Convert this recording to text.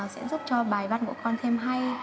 sẽ giúp cho bài văn của con thêm hay